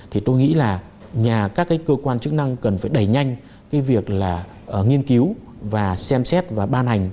thì tôi nghĩ là các cái cơ quan chức năng cần phải đẩy nhanh cái việc là nghiên cứu và xem xét và ban hành